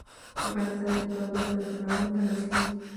افغانستان د تودوخه له پلوه متنوع دی.